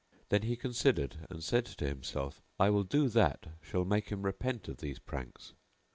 Then he considered and said to himself, "I will do that shall make him repent of these pranks."